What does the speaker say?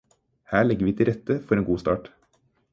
Her legger vi til rette for en god start